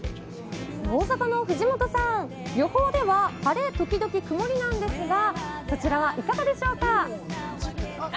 大阪の藤本さん予報では晴れ時々曇りなんですがそちらは、いかがでしょうか。